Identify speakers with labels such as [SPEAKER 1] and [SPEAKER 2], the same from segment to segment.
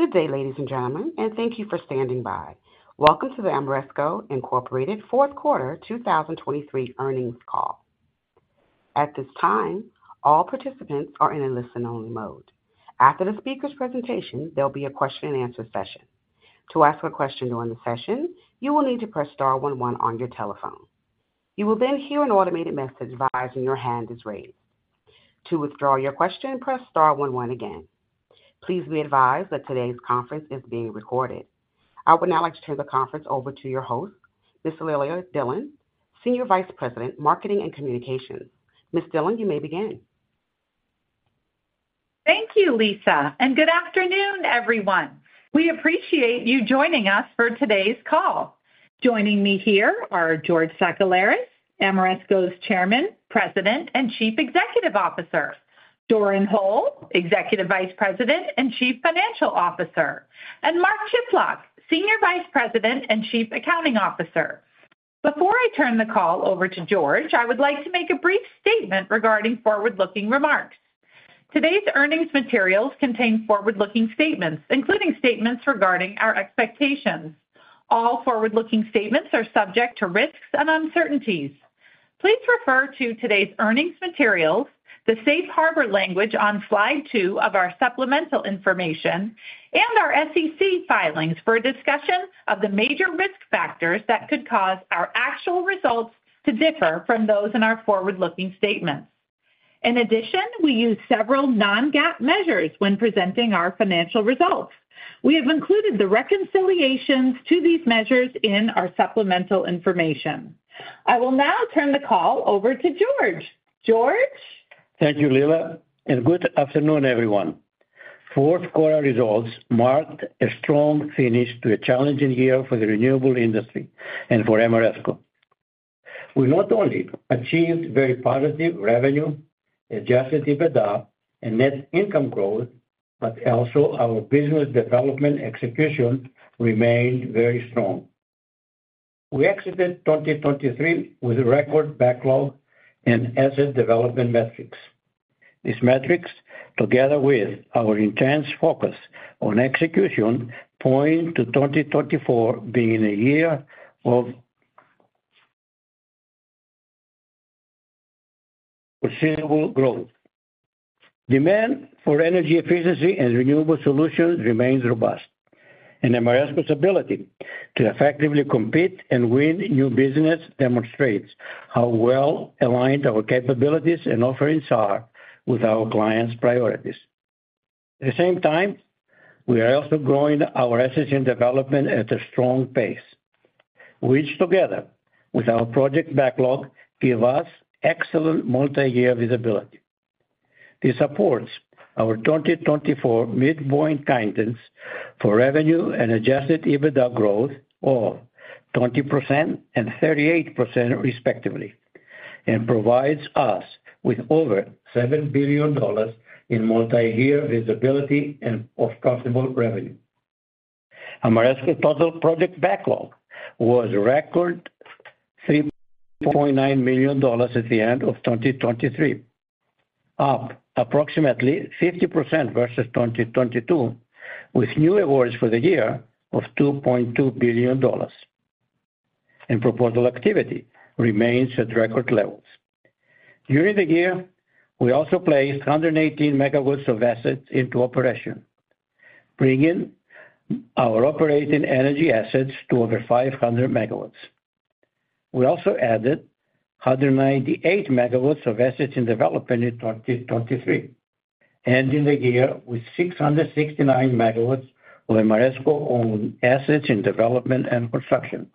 [SPEAKER 1] Good day, ladies and gentlemen, and thank you for standing by. Welcome to the Ameresco, Inc. Fourth Quarter 2023 Earnings Call. At this time, all participants are in a listen-only mode. After the speaker's presentation, there'll be a question-and-answer session. To ask a question during the session, you will need to press star one one on your telephone. You will then hear an automated message advising your hand is raised. To withdraw your question, press star one one again. Please be advised that today's conference is being recorded. I would now like to turn the conference over to your host, Ms. Leila Dillon, Senior Vice President, Marketing and Communications. Ms. Dillon, you may begin.
[SPEAKER 2] Thank you, Lisa, and good afternoon, everyone. We appreciate you joining us for today's call. Joining me here are George Sakellaris, Ameresco's Chairman, President, and Chief Executive Officer, Doran Hole, Executive Vice President and Chief Financial Officer, and Mark Chiplock, Senior Vice President and Chief Accounting Officer. Before I turn the call over to George, I would like to make a brief statement regarding forward-looking remarks. Today's earnings materials contain forward-looking statements, including statements regarding our expectations. All forward-looking statements are subject to risks and uncertainties. Please refer to today's earnings materials, the Safe Harbor language on slide two of our supplemental information, and our SEC filings for a discussion of the major risk factors that could cause our actual results to differ from those in our forward-looking statements. In addition, we use several non-GAAP measures when presenting our financial results. We have included the reconciliations to these measures in our supplemental information. I will now turn the call over to George. George?
[SPEAKER 3] Thank you, Leila, and good afternoon, everyone. Fourth quarter results marked a strong finish to a challenging year for the renewable industry and for Ameresco. We not only achieved very positive revenue, Adjusted EBITDA, and net income growth, but also our business development execution remained very strong. We exited 2023 with a record backlog in asset development metrics. These metrics, together with our intense focus on execution, point to 2024 being a year of sustainable growth. Demand for energy efficiency and renewable solutions remains robust, and Ameresco's ability to effectively compete and win new businesses demonstrates how well aligned our capabilities and offerings are with our clients' priorities. At the same time, we are also growing our assets in development at a strong pace, which together with our project backlog gives us excellent multi-year visibility. This supports our 2024 midpoint guidance for revenue and Adjusted EBITDA growth of 20% and 38%, respectively, and provides us with over $7 billion in multi-year visibility and profitable revenue. Ameresco's total project backlog was a record $3.9 billion at the end of 2023, up approximately 50% versus 2022, with new awards for the year of $2.2 billion, and proposal activity remains at record levels. During the year, we also placed 118 MW of assets into operation, bringing our operating energy assets to over 500 MW. We also added 198 MW of assets in development in 2023, ending the year with 669 MW of Ameresco-owned assets in development and construction.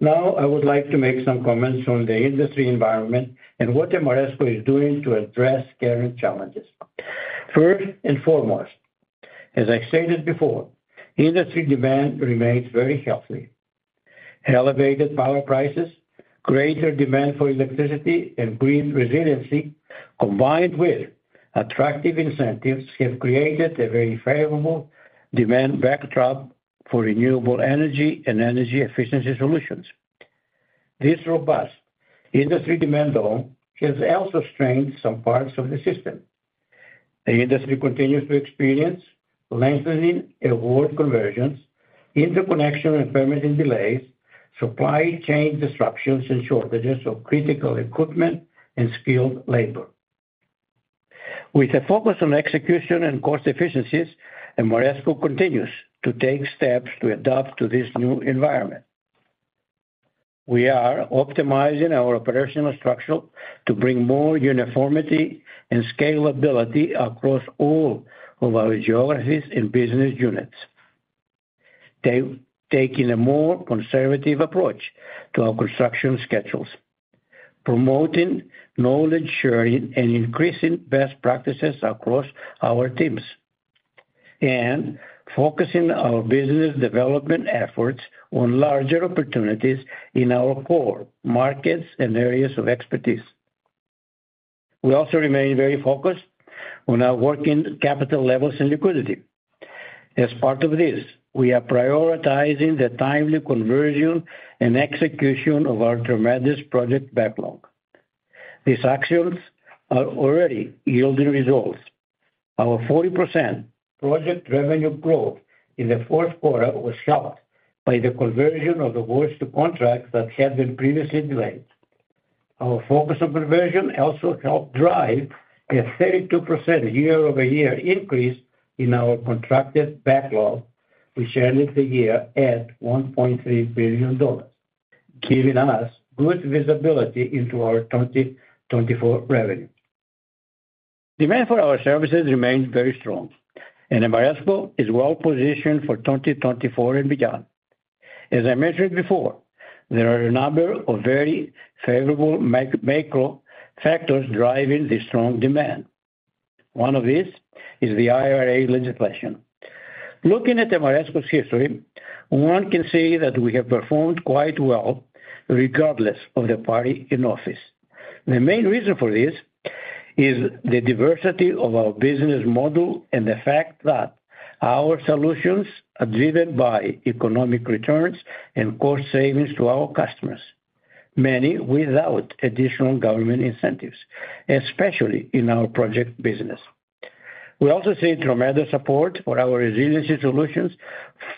[SPEAKER 3] Now, I would like to make some comments on the industry environment and what Ameresco is doing to address current challenges. First and foremost, as I stated before, industry demand remains very healthy. Elevated power prices, greater demand for electricity, and green resiliency, combined with attractive incentives, have created a very favorable demand backdrop for renewable energy and energy efficiency solutions. This robust industry demand, though, has also strained some parts of the system. The industry continues to experience lengthening award conversions, interconnection and permitting delays, supply chain disruptions, and shortages of critical equipment and skilled labor. With a focus on execution and cost efficiencies, Ameresco continues to take steps to adapt to this new environment. We are optimizing our operational structure to bring more uniformity and scalability across all of our geographies and business units, taking a more conservative approach to our construction schedules, promoting knowledge sharing, and increasing best practices across our teams, and focusing our business development efforts on larger opportunities in our core markets and areas of expertise. We also remain very focused on our working capital levels and liquidity. As part of this, we are prioritizing the timely conversion and execution of our tremendous project backlog. These actions are already yielding results. Our 40% project revenue growth in the fourth quarter was helped by the conversion of awards to contracts that had been previously delayed. Our focus on conversion also helped drive a 32% year-over-year increase in our contracted backlog, which ended the year at $1.3 billion, giving us good visibility into our 2024 revenue. Demand for our services remains very strong, and Ameresco is well positioned for 2024 and beyond. As I mentioned before, there are a number of very favorable macro factors driving this strong demand. One of these is the IRA legislation. Looking at Ameresco's history, one can see that we have performed quite well regardless of the party in office. The main reason for this is the diversity of our business model and the fact that our solutions are driven by economic returns and cost savings to our customers, many without additional government incentives, especially in our project business. We also see tremendous support for our resiliency solutions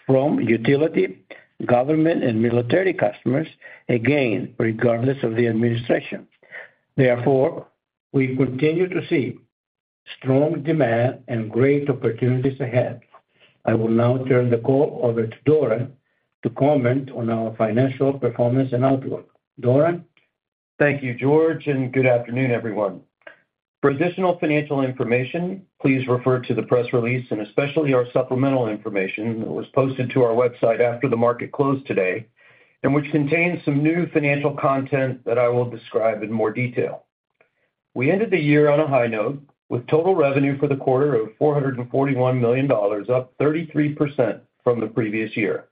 [SPEAKER 3] from utility, government, and military customers, again, regardless of the administration. Therefore, we continue to see strong demand and great opportunities ahead. I will now turn the call over to Doran to comment on our financial performance and outlook. Doran?
[SPEAKER 4] Thank you, George, and good afternoon, everyone. For additional financial information, please refer to the press release, and especially our supplemental information that was posted to our website after the market closed today, and which contains some new financial content that I will describe in more detail. We ended the year on a high note with total revenue for the quarter of $441 million, up 33% from the previous year.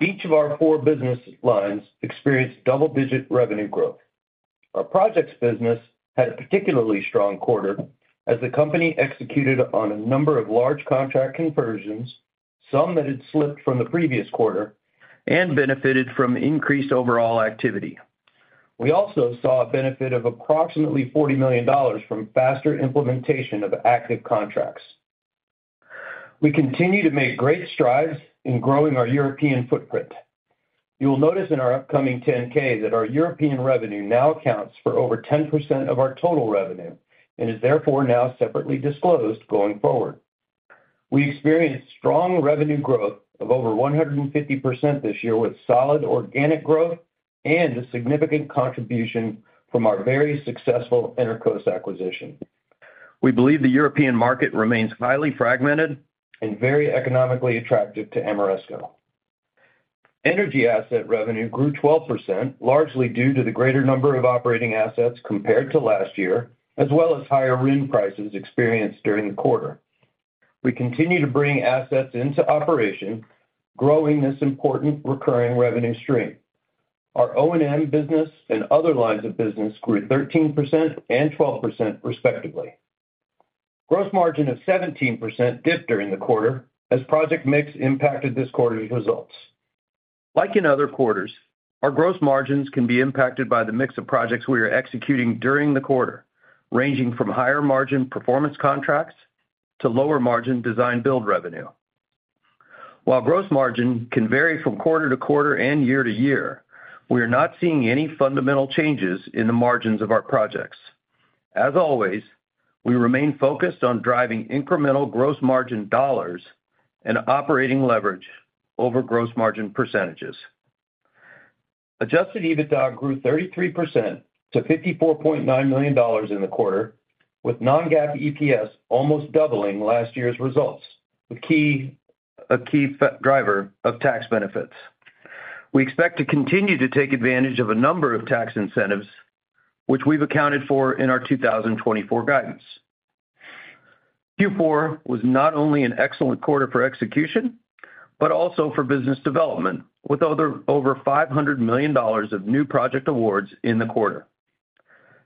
[SPEAKER 4] Each of our four business lines experienced double-digit revenue growth. Our projects business had a particularly strong quarter as the company executed on a number of large contract conversions, some that had slipped from the previous quarter, and benefited from increased overall activity. We also saw a benefit of approximately $40 million from faster implementation of active contracts. We continue to make great strides in growing our European footprint. You will notice in our upcoming 10-K that our European revenue now accounts for over 10% of our total revenue and is therefore now separately disclosed going forward. We experienced strong revenue growth of over 150% this year with solid organic growth and a significant contribution from our very successful Enerqos acquisition. We believe the European market remains highly fragmented and very economically attractive to Ameresco. Energy asset revenue grew 12%, largely due to the greater number of operating assets compared to last year, as well as higher RIN prices experienced during the quarter. We continue to bring assets into operation, growing this important recurring revenue stream. Our O&M business and other lines of business grew 13% and 12%, respectively. Gross margin of 17% dipped during the quarter as project mix impacted this quarter's results. Like in other quarters, our gross margins can be impacted by the mix of projects we are executing during the quarter, ranging from higher margin performance contracts to lower margin design-build revenue. While gross margin can vary from quarter to quarter and year to year, we are not seeing any fundamental changes in the margins of our projects. As always, we remain focused on driving incremental gross margin dollars and operating leverage over gross margin percentages. Adjusted EBITDA grew 33% to $54.9 million in the quarter, with non-GAAP EPS almost doubling last year's results, a key driver of tax benefits. We expect to continue to take advantage of a number of tax incentives, which we've accounted for in our 2024 guidance. Q4 was not only an excellent quarter for execution but also for business development, with over $500 million of new project awards in the quarter.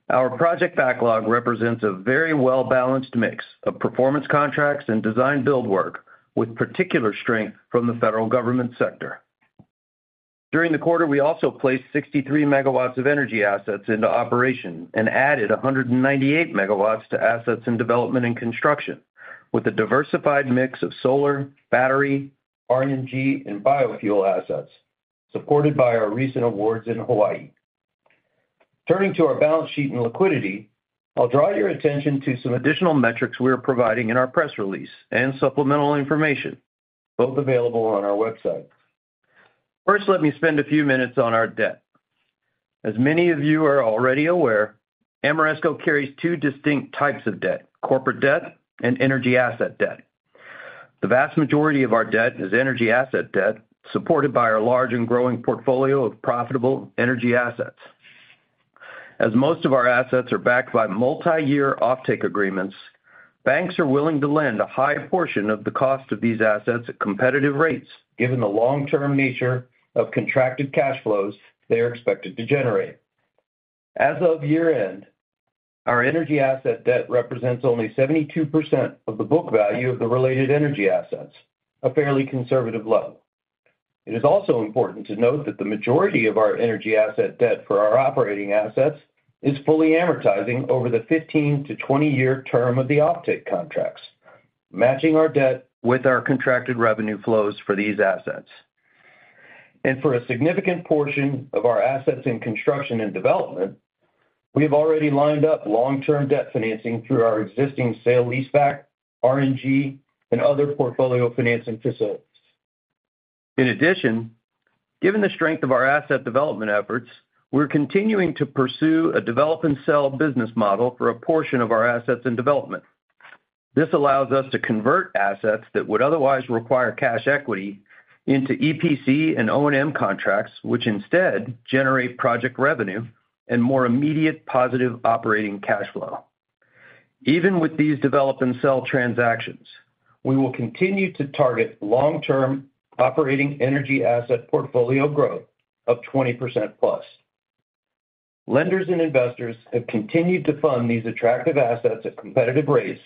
[SPEAKER 4] Our project backlog represents a very well-balanced mix of performance contracts and design-build work, with particular strength from the federal government sector. During the quarter, we also placed 63 MW of energy assets into operation and added 198 MW to assets in development and construction, with a diversified mix of solar, battery, RNG, and biofuel assets, supported by our recent awards in Hawaii. Turning to our balance sheet and liquidity, I'll draw your attention to some additional metrics we are providing in our press release and supplemental information, both available on our website. First, let me spend a few minutes on our debt. As many of you are already aware, Ameresco carries two distinct types of debt: corporate debt and energy asset debt. The vast majority of our debt is energy asset debt, supported by our large and growing portfolio of profitable energy assets. As most of our assets are backed by multi-year offtake agreements, banks are willing to lend a high portion of the cost of these assets at competitive rates, given the long-term nature of contracted cash flows they are expected to generate. As of year-end, our energy asset debt represents only 72% of the book value of the related energy assets, a fairly conservative level. It is also important to note that the majority of our energy asset debt for our operating assets is fully amortizing over the 15-20-year term of the offtake contracts, matching our debt with our contracted revenue flows for these assets. For a significant portion of our assets in construction and development, we have already lined up long-term debt financing through our existing sale-leaseback, RNG, and other portfolio financing facilities. In addition, given the strength of our asset development efforts, we're continuing to pursue a develop-and-sell business model for a portion of our assets in development. This allows us to convert assets that would otherwise require cash equity into EPC and O&M contracts, which instead generate project revenue and more immediate positive operating cash flow. Even with these develop-and-sell transactions, we will continue to target long-term operating energy asset portfolio growth of 20%+. Lenders and investors have continued to fund these attractive assets at competitive rates,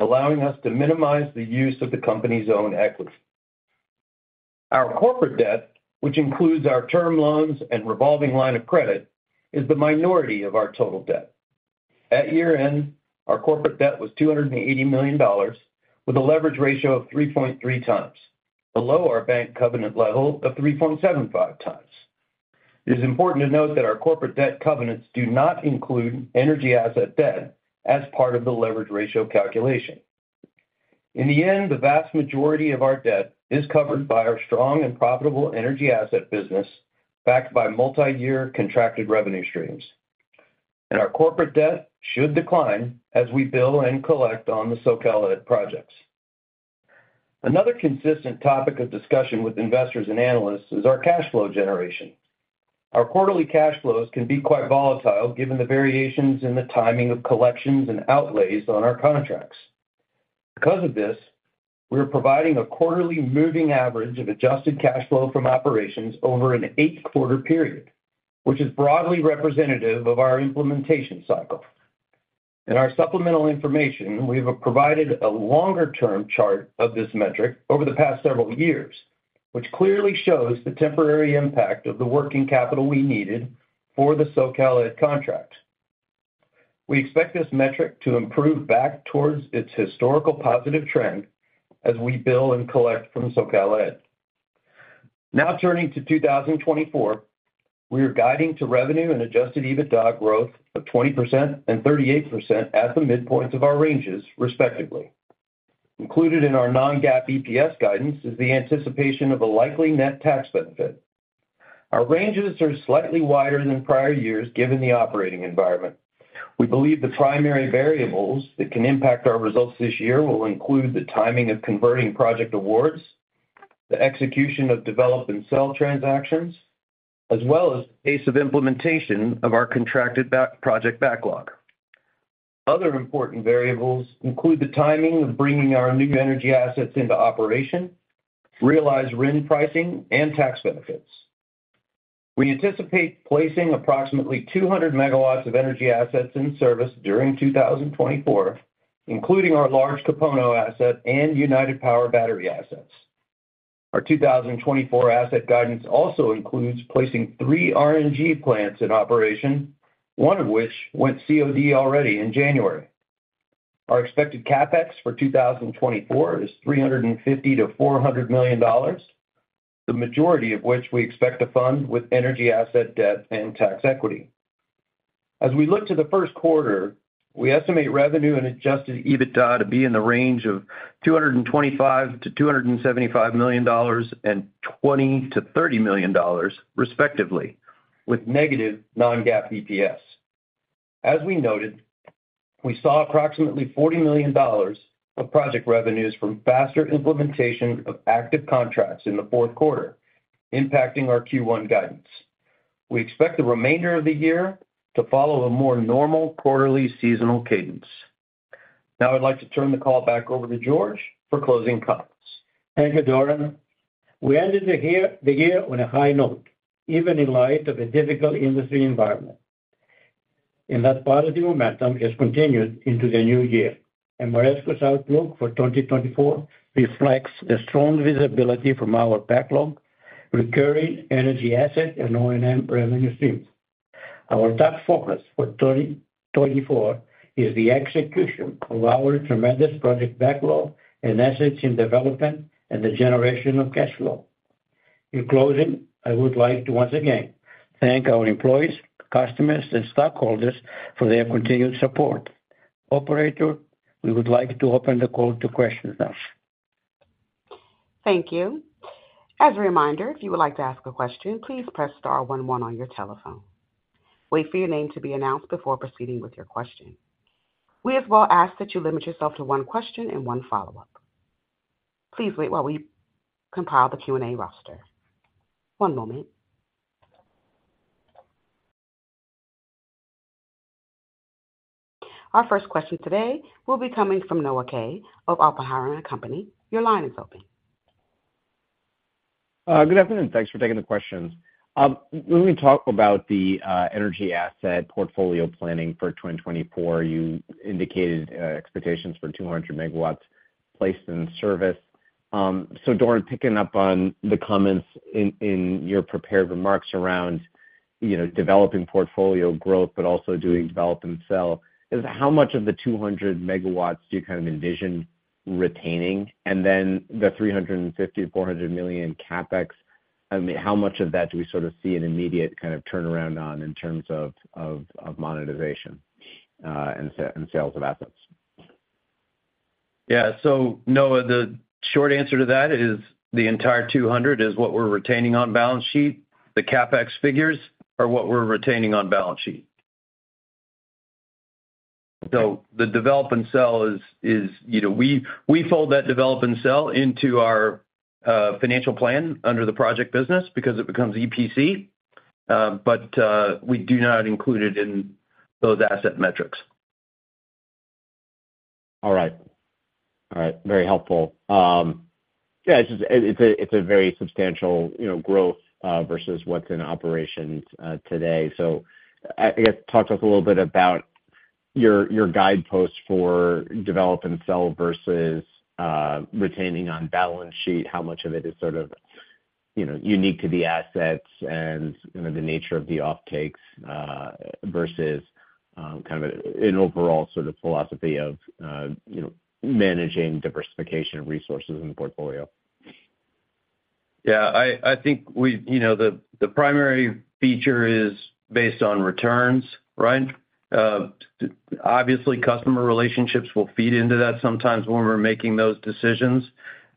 [SPEAKER 4] allowing us to minimize the use of the company's own equity. Our corporate debt, which includes our term loans and revolving line of credit, is the minority of our total debt. At year-end, our corporate debt was $280 million, with a leverage ratio of 3.3x, below our bank covenant level of 3.75x. It is important to note that our corporate debt covenants do not include energy asset debt as part of the leverage ratio calculation. In the end, the vast majority of our debt is covered by our strong and profitable energy asset business backed by multi-year contracted revenue streams. Our corporate debt should decline as we bill and collect on the SoCalEd projects. Another consistent topic of discussion with investors and analysts is our cash flow generation. Our quarterly cash flows can be quite volatile given the variations in the timing of collections and outlays on our contracts. Because of this, we are providing a quarterly moving average of adjusted cash flow from operations over an eight-quarter period, which is broadly representative of our implementation cycle. In our supplemental information, we have provided a longer-term chart of this metric over the past several years, which clearly shows the temporary impact of the working capital we needed for the SoCalEd contract. We expect this metric to improve back towards its historical positive trend as we bill and collect from SoCalEd. Now turning to 2024, we are guiding to revenue and Adjusted EBITDA growth of 20% and 38% at the midpoints of our ranges, respectively. Included in our Non-GAAP EPS guidance is the anticipation of a likely net tax benefit. Our ranges are slightly wider than prior years given the operating environment. We believe the primary variables that can impact our results this year will include the timing of converting project awards, the execution of develop-and-sell transactions, as well as the pace of implementation of our contracted project backlog. Other important variables include the timing of bringing our new energy assets into operation, realized RIN pricing, and tax benefits. We anticipate placing approximately 200 MW of energy assets in service during 2024, including our large Kapolei asset and United Power battery assets. Our 2024 asset guidance also includes placing three RNG plants in operation, one of which went COD already in January. Our expected CapEx for 2024 is $350 million-$400 million, the majority of which we expect to fund with energy asset debt and tax equity. As we look to the first quarter, we estimate revenue and Adjusted EBITDA to be in the range of $225 million-$275 million and $20 million-$30 million, respectively, with negative non-GAAP EPS. As we noted, we saw approximately $40 million of project revenues from faster implementation of active contracts in the fourth quarter, impacting our Q1 guidance. We expect the remainder of the year to follow a more normal quarterly seasonal cadence. Now I'd like to turn the call back over to George for closing comments.
[SPEAKER 3] Thank you, Doran. We ended the year on a high note, even in light of a difficult industry environment. That part of the momentum has continued into the new year. Ameresco's outlook for 2024 reflects the strong visibility from our backlog, recurring energy asset, and O&M revenue streams. Our top focus for 2024 is the execution of our tremendous project backlog and assets in development and the generation of cash flow. In closing, I would like to once again thank our employees, customers, and stockholders for their continued support. Operator, we would like to open the call to questions now.
[SPEAKER 1] Thank you. As a reminder, if you would like to ask a question, please press star one one on your telephone. Wait for your name to be announced before proceeding with your question. We as well ask that you limit yourself to one question and one follow-up. Please wait while we compile the Q&A roster. One moment. Our first question today will be coming from Noah Kaye of Oppenheimer & Co. Your line is open.
[SPEAKER 5] Good afternoon. Thanks for taking the questions. When we talk about the energy asset portfolio planning for 2024, you indicated expectations for 200 MW placed in service. So, Doran, picking up on the comments in your prepared remarks around developing portfolio growth but also doing develop-and-sell, how much of the 200 MW do you kind of envision retaining? And then the $350 million-$400 million CapEx, I mean, how much of that do we sort of see an immediate kind of turnaround on in terms of monetization and sales of assets?
[SPEAKER 4] Yeah. So, Noah, the short answer to that is the entire 200 is what we're retaining on balance sheet. The CapEx figures are what we're retaining on balance sheet. So the develop-and-sell is we fold that develop-and-sell into our financial plan under the project business because it becomes EPC, but we do not include it in those asset metrics.
[SPEAKER 5] All right. All right. Very helpful. Yeah, it's a very substantial growth versus what's in operations today. So I guess talk to us a little bit about your guidepost for develop-and-sell versus retaining on balance sheet, how much of it is sort of unique to the assets and the nature of the offtakes versus kind of an overall sort of philosophy of managing diversification of resources in the portfolio.
[SPEAKER 4] Yeah. I think the primary feature is based on returns, right? Obviously, customer relationships will feed into that sometimes when we're making those decisions,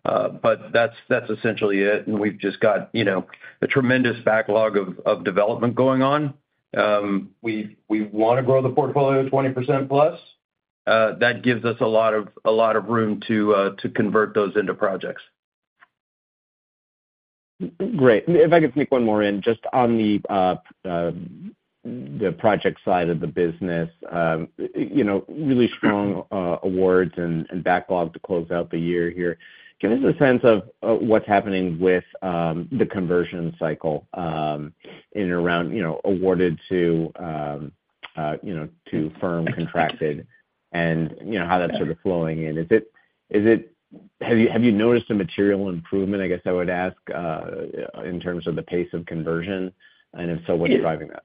[SPEAKER 4] but that's essentially it. And we've just got a tremendous backlog of development going on. We want to grow the portfolio 20%+. That gives us a lot of room to convert those into projects.
[SPEAKER 5] Great. If I could sneak one more in, just on the project side of the business, really strong awards and backlog to close out the year here. Give us a sense of what's happening with the conversion cycle in and around awarded to firm, contracted, and how that's sort of flowing in? Have you noticed a material improvement, I guess I would ask, in terms of the pace of conversion? If so, what's driving that?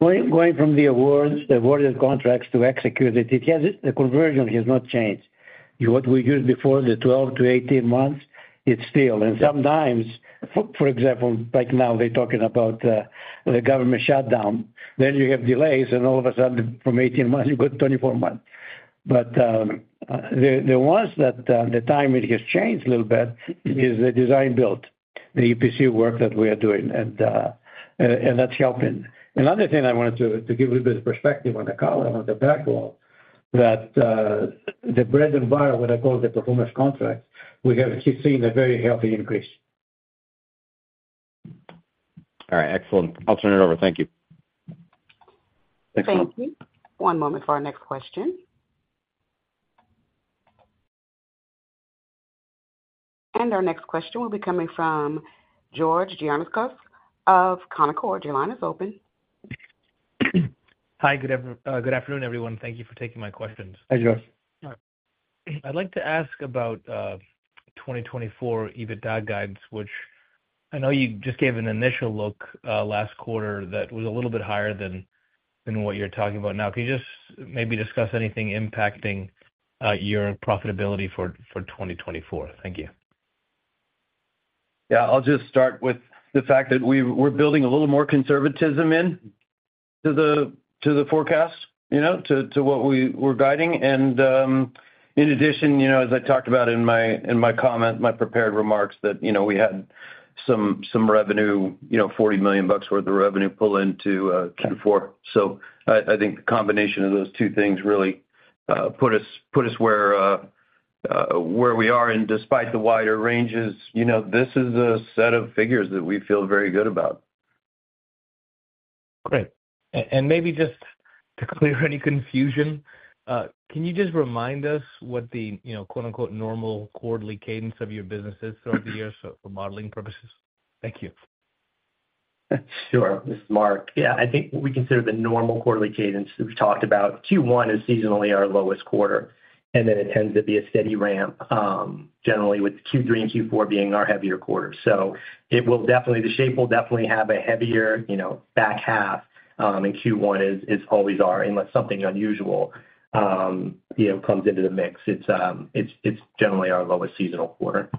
[SPEAKER 3] Going from the awarded contracts to executed, the conversion has not changed. What we used before, the 12-18 months, it's still. And sometimes, for example, right now, they're talking about the government shutdown. Then you have delays, and all of a sudden, from 18 months, you've got 24 months. But the ones that the timing has changed a little bit is the design-build, the EPC work that we are doing, and that's helping. Another thing I wanted to give a little bit of perspective on the column, on the backlog, that the bread and butter, what I call the performance contracts, we have seen a very healthy increase.
[SPEAKER 5] All right. Excellent. I'll turn it over. Thank you.
[SPEAKER 4] Thanks, Noah.
[SPEAKER 1] Thank you. One moment for our next question. Our next question will be coming from George Gianarikas of Canaccord. Your line is open.
[SPEAKER 6] Hi. Good afternoon, everyone. Thank you for taking my questions.
[SPEAKER 4] Hi, George.
[SPEAKER 6] I'd like to ask about 2024 EBITDA guidance, which I know you just gave an initial look last quarter that was a little bit higher than what you're talking about now. Can you just maybe discuss anything impacting your profitability for 2024? Thank you.
[SPEAKER 4] Yeah. I'll just start with the fact that we're building a little more conservatism into the forecast, to what we're guiding. And in addition, as I talked about in my comments, my prepared remarks, that we had some revenue, $40 million worth of revenue pull into Q4. So I think the combination of those two things really put us where we are. And despite the wider ranges, this is a set of figures that we feel very good about.
[SPEAKER 6] Great. Maybe just to clear any confusion, can you just remind us what the "normal" quarterly cadence of your business is throughout the year for modeling purposes? Thank you.
[SPEAKER 7] Sure. This is Mark. Yeah. I think what we consider the normal quarterly cadence that we've talked about, Q1 is seasonally our lowest quarter, and then it tends to be a steady ramp, generally with Q3 and Q4 being our heavier quarters. So the shape will definitely have a heavier back half, and Q1 is always our unless something unusual comes into the mix. It's generally our lowest seasonal quarter.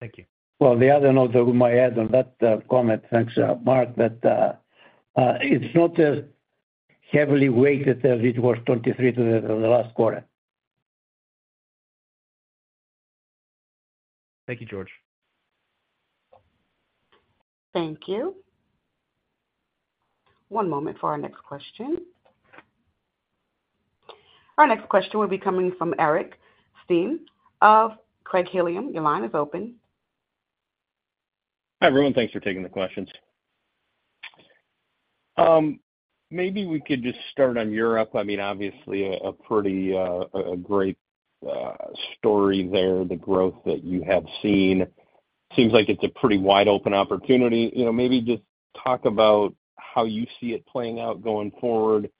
[SPEAKER 6] Thank you.
[SPEAKER 3] Well, the other note that we might add on that comment, thanks, Mark, that it's not as heavily weighted as it was 2023 to the last quarter.
[SPEAKER 6] Thank you, George.
[SPEAKER 1] Thank you. One moment for our next question. Our next question will be coming from Eric Stine of Craig-Hallum. Your line is open.
[SPEAKER 8] Hi, everyone. Thanks for taking the questions. Maybe we could just start on Europe. I mean, obviously, a pretty great story there, the growth that you have seen. Seems like it's a pretty wide-open opportunity. Maybe just talk about how you see it playing out going forward.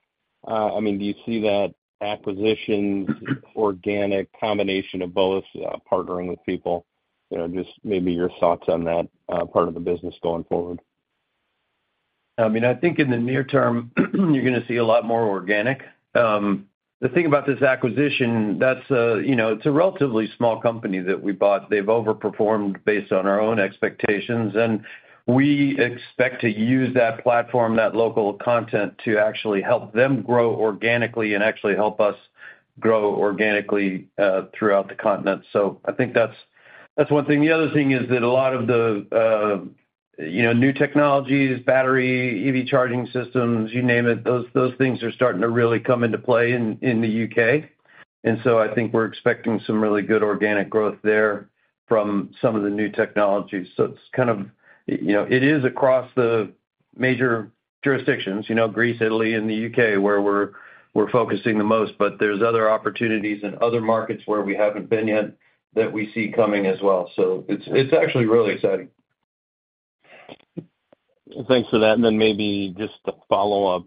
[SPEAKER 8] I mean, do you see that acquisitions, organic combination of both partnering with people? Just maybe your thoughts on that part of the business going forward.
[SPEAKER 4] I mean, I think in the near term, you're going to see a lot more organic. The thing about this acquisition, it's a relatively small company that we bought. They've overperformed based on our own expectations. And we expect to use that platform, that local content, to actually help them grow organically and actually help us grow organically throughout the continent. So I think that's one thing. The other thing is that a lot of the new technologies, battery, EV charging systems, you name it, those things are starting to really come into play in the U.K. And so I think we're expecting some really good organic growth there from some of the new technologies. So it's kind of it is across the major jurisdictions, Greece, Italy, and the U.K., where we're focusing the most. But there's other opportunities in other markets where we haven't been yet that we see coming as well. So it's actually really exciting.
[SPEAKER 8] Thanks for that. And then maybe just to follow up,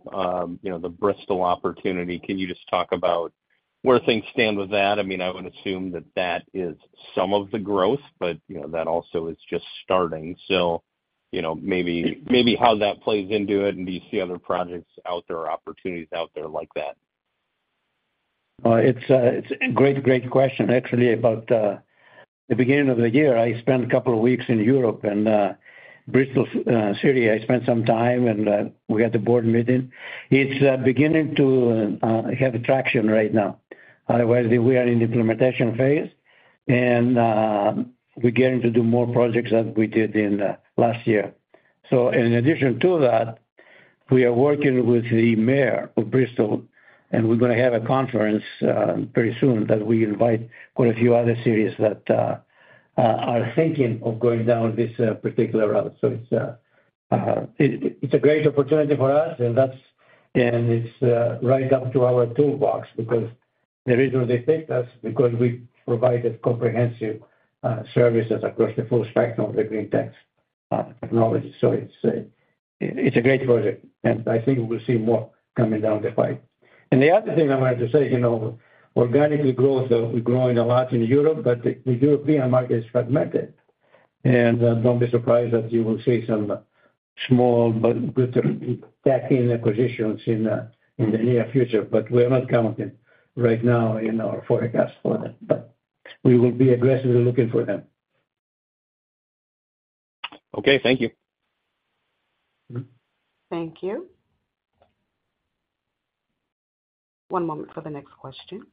[SPEAKER 8] the Bristol opportunity, can you just talk about where things stand with that? I mean, I would assume that that is some of the growth, but that also is just starting. So maybe how that plays into it, and do you see other projects out there, opportunities out there like that?
[SPEAKER 3] It's a great, great question, actually, about the beginning of the year. I spent a couple of weeks in Europe, and Bristol, Greece, I spent some time, and we had the board meeting. It's beginning to have traction right now. Otherwise, we are in the implementation phase, and we're getting to do more projects than we did last year. So in addition to that, we are working with the mayor of Bristol, and we're going to have a conference very soon that we invite quite a few other Greeks that are thinking of going down this particular route. So it's a great opportunity for us, and it's right up to our toolbox because the reason they picked us is because we provide comprehensive services across the full spectrum of the green tech technology. So it's a great project, and I think we'll see more coming down the pike. The other thing I wanted to say, organic growth, we're growing a lot in Europe, but the European market is fragmented. Don't be surprised that you will see some small but good tuck-in acquisitions in the near future, but we are not counting right now in our forecast for them. We will be aggressively looking for them.
[SPEAKER 8] Okay. Thank you.
[SPEAKER 1] Thank you. One moment for the next question.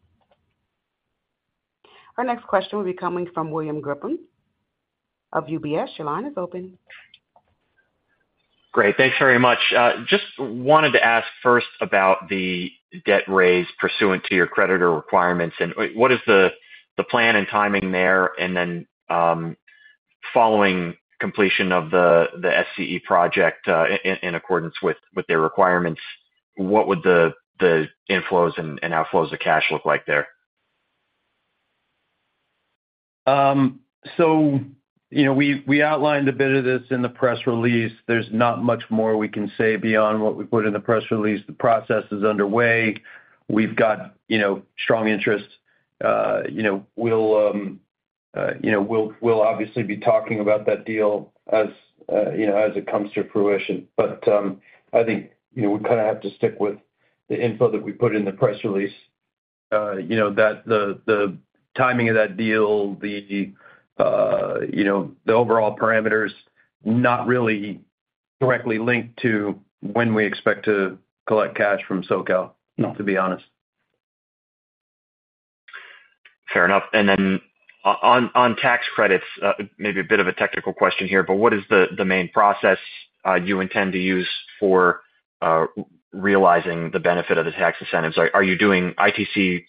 [SPEAKER 1] Our next question will be coming from William Grippin of UBS. Your line is open.
[SPEAKER 9] Great. Thanks very much. Just wanted to ask first about the debt raise pursuant to your creditor requirements. What is the plan and timing there? Then, following completion of the SCE project in accordance with their requirements, what would the inflows and outflows of cash look like there?
[SPEAKER 4] So we outlined a bit of this in the press release. There's not much more we can say beyond what we put in the press release. The process is underway. We've got strong interest. We'll obviously be talking about that deal as it comes to fruition. But I think we kind of have to stick with the info that we put in the press release, that the timing of that deal, the overall parameters, not really directly linked to when we expect to collect cash from SoCal, to be honest.
[SPEAKER 9] Fair enough. Then on tax credits, maybe a bit of a technical question here, but what is the main process you intend to use for realizing the benefit of the tax incentives? Are you doing ITC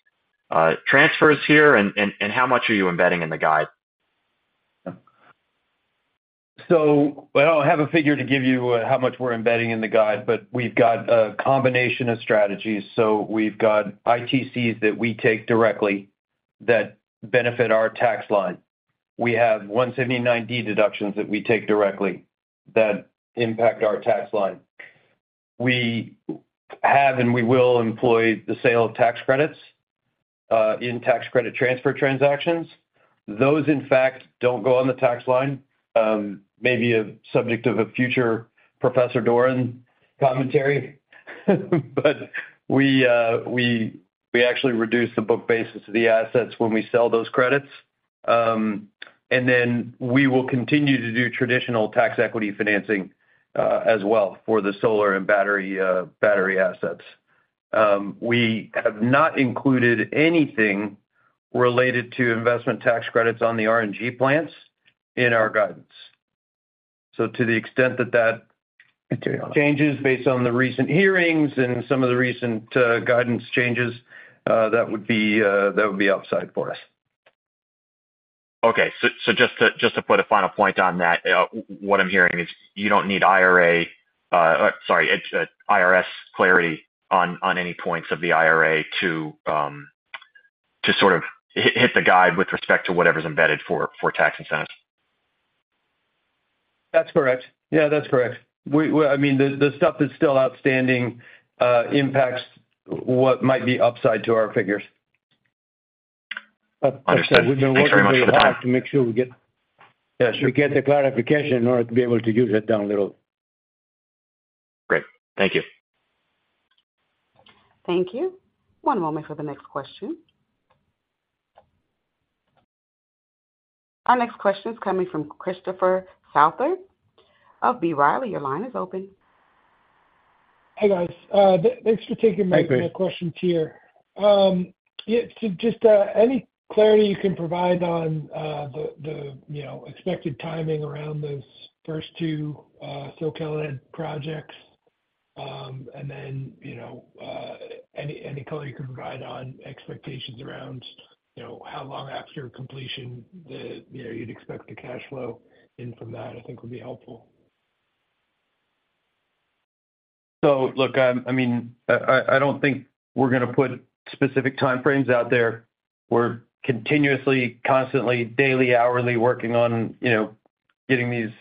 [SPEAKER 9] transfers here, and how much are you embedding in the guide?
[SPEAKER 4] So I don't have a figure to give you how much we're embedding in the guide, but we've got a combination of strategies. So we've got ITCs that we take directly that benefit our tax line. We have 179D deductions that we take directly that impact our tax line. We have and we will employ the sale of tax credits in tax credit transfer transactions. Those, in fact, don't go on the tax line. Maybe subject of a future Professor Doran commentary. But we actually reduce the book basis of the assets when we sell those credits. And then we will continue to do traditional tax equity financing as well for the solar and battery assets. We have not included anything related to investment tax credits on the RNG plants in our guidance. So to the extent that that changes based on the recent hearings and some of the recent guidance changes, that would be outside for us.
[SPEAKER 9] Okay. So just to put a final point on that, what I'm hearing is you don't need IRA sorry, IRS clarity on any points of the IRA to sort of hit the guide with respect to whatever's embedded for tax incentives.
[SPEAKER 4] That's correct. Yeah, that's correct. I mean, the stuff that's still outstanding impacts what might be upside to our figures.
[SPEAKER 9] Understood. Thank you very much for the time.
[SPEAKER 3] We've been working hard to make sure we get the clarification in order to be able to use it down a little.
[SPEAKER 9] Great. Thank you.
[SPEAKER 1] Thank you. One moment for the next question. Our next question is coming from Christopher Souther of B. Riley. Your line is open.
[SPEAKER 10] Hey, guys. Thanks for taking my questions here. Just any clarity you can provide on the expected timing around those first two SoCalEd-led projects, and then any color you can provide on expectations around how long after completion you'd expect the cash flow in from that, I think, would be helpful.
[SPEAKER 4] So look, I mean, I don't think we're going to put specific timeframes out there. We're continuously, constantly, daily, hourly working on getting these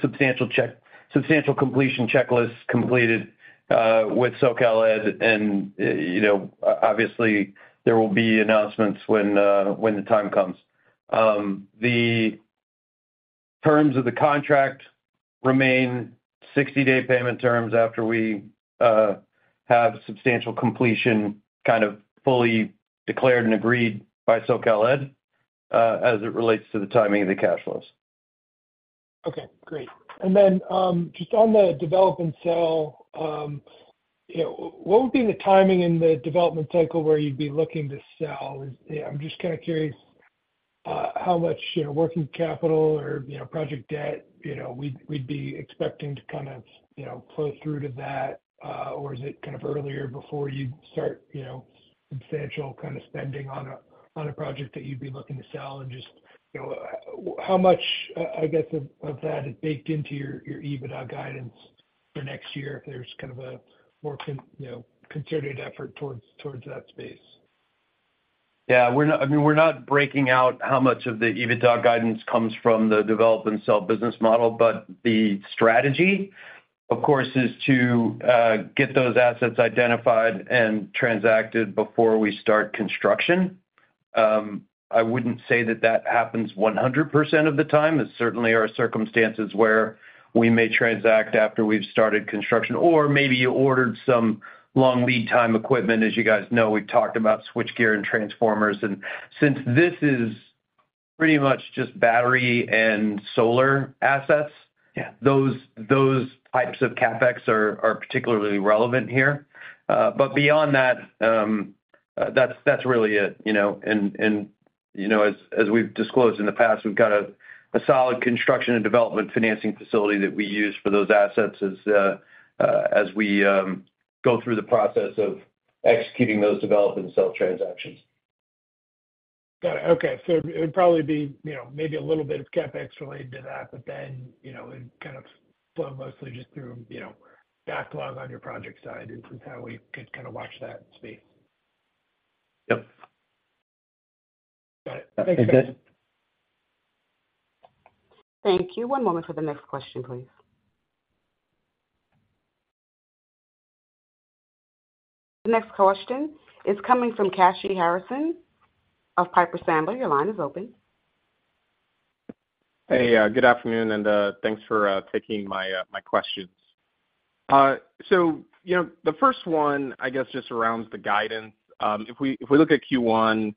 [SPEAKER 4] substantial completion checklists completed with SoCalEd. And obviously, there will be announcements when the time comes. The terms of the contract remain 60-day payment terms after we have substantial completion kind of fully declared and agreed by SoCalEd as it relates to the timing of the cash flows.
[SPEAKER 10] Okay. Great. And then just on the develop and sell, what would be the timing in the development cycle where you'd be looking to sell? I'm just kind of curious how much working capital or project debt we'd be expecting to kind of flow through to that, or is it kind of earlier before you'd start substantial kind of spending on a project that you'd be looking to sell? And just how much, I guess, of that is baked into your EBITDA guidance for next year if there's kind of a more concerted effort towards that space?
[SPEAKER 4] Yeah. I mean, we're not breaking out how much of the EBITDA guidance comes from the develop and sell business model. But the strategy, of course, is to get those assets identified and transacted before we start construction. I wouldn't say that that happens 100% of the time. There are certainly circumstances where we may transact after we've started construction. Or maybe you ordered some long lead time equipment. As you guys know, we've talked about switchgear and transformers. And since this is pretty much just battery and solar assets, those types of CapEx are particularly relevant here. But beyond that, that's really it. And as we've disclosed in the past, we've got a solid construction and development financing facility that we use for those assets as we go through the process of executing those develop and sell transactions.
[SPEAKER 10] Got it. Okay. So it'd probably be maybe a little bit of CapEx related to that, but then it'd kind of flow mostly just through backlog on your project side is how we could kind of watch that space.
[SPEAKER 4] Yep.
[SPEAKER 10] Got it. Thanks, guys.
[SPEAKER 1] Thank you. One moment for the next question, please. The next question is coming from Kashy Harrison of Piper Sandler. Your line is open.
[SPEAKER 11] Hey, good afternoon, and thanks for taking my questions. So the first one, I guess, just around the guidance, if we look at Q1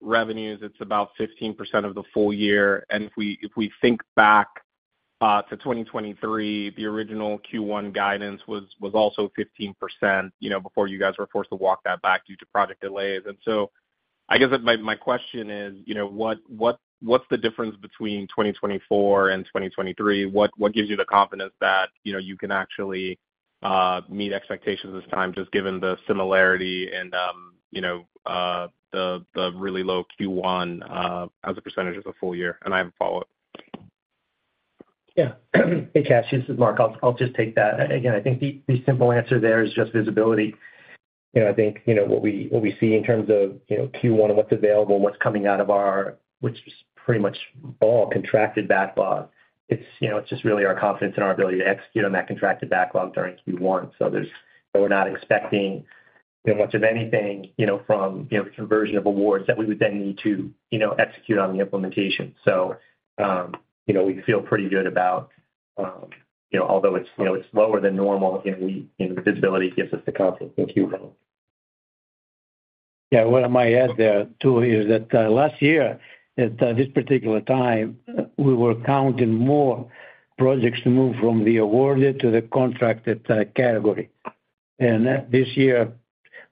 [SPEAKER 11] revenues, it's about 15% of the full year. And if we think back to 2023, the original Q1 guidance was also 15% before you guys were forced to walk that back due to project delays. And so I guess my question is, what's the difference between 2024 and 2023? What gives you the confidence that you can actually meet expectations this time, just given the similarity and the really low Q1 as a percentage of the full year? And I have a follow-up.
[SPEAKER 7] Yeah. Hey, Cash. This is Mark. I'll just take that. Again, I think the simple answer there is just visibility. I think what we see in terms of Q1 and what's available, what's coming out of our, which is pretty much all contracted backlog, it's just really our confidence in our ability to execute on that contracted backlog during Q1. So we're not expecting much of anything from conversion of awards that we would then need to execute on the implementation. So we feel pretty good about although it's lower than normal, the visibility gives us the confidence in Q1.
[SPEAKER 3] Yeah. What I might add there too is that last year, at this particular time, we were counting more projects to move